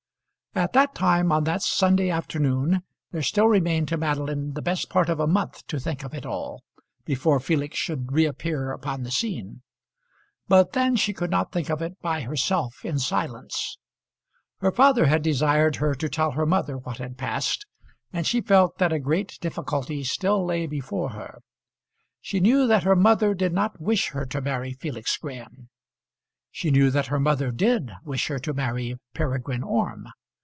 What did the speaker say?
At that time, on that Sunday afternoon, there still remained to Madeline the best part of a month to think of it all, before Felix should reappear upon the scene. But then she could not think of it by herself in silence. Her father had desired her to tell her mother what had passed, and she felt that a great difficulty still lay before her. She knew that her mother did not wish her to marry Felix Graham. She knew that her mother did wish her to marry Peregrine Orme.